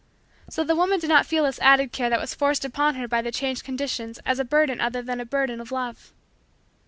So the woman did not feel this added care that was forced upon her by the changed conditions as a burden other than a burden of love.